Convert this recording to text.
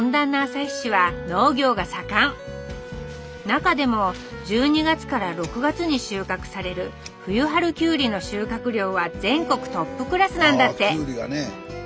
中でも１２月から６月に収穫される「冬春きゅうり」の収穫量は全国トップクラスなんだって。